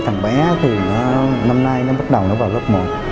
thằng bé thì năm nay nó bắt đầu vào lớp một